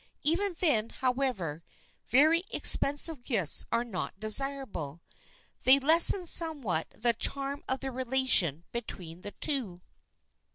Even then, however, very expensive gifts are not desirable. They lessen somewhat the charm of the relation between the two.